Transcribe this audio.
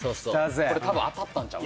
・これ多分当たったんちゃう？